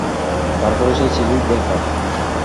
তার পরেই সেই চিঠির ব্যাপার।